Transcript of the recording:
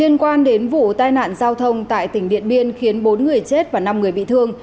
liên quan đến vụ tai nạn giao thông tại tỉnh điện biên khiến bốn người chết và năm người bị thương